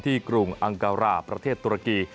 กรุงอังการาประเทศตุรกี